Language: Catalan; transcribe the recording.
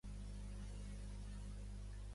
Foc? A falles!